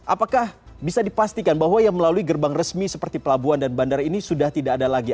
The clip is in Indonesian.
apakah bisa dipastikan bahwa yang melalui gerbang resmi seperti pelabuhan dan bandara ini sudah tidak ada lagi